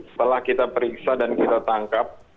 setelah kita periksa dan kita tangkap